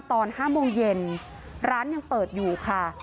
ตอน๕โมงเย็นร้านยังเปิดอยู่ค่ะ